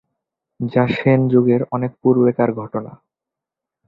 যা সেন যুগের অনেক পূর্বেকার ঘটনা।